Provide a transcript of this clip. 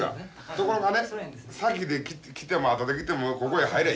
ところがね先で来ても後で来てもここへ入りゃ一緒でしょ。